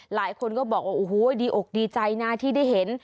หลายคนก็บอกว่าโอ้โหดีอกดีใจนะที่ได้เห็น